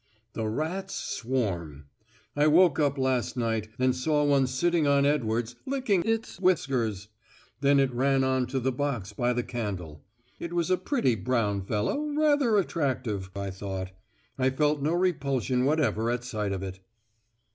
The rats swarm. I woke up last night, and saw one sitting on Edwards, licking its whiskers. Then it ran on to the box by the candle. It was a pretty brown fellow, rather attractive, I thought. I felt no repulsion whatever at sight of it....